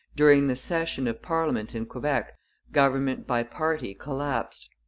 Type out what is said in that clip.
] In June 1864, during the session of parliament in Quebec, government by party collapsed.